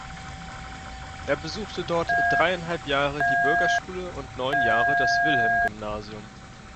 Er besuchte dort dreieinhalb Jahre die Bürgerschule und neun Jahre das Wilhelm-Gymnasium.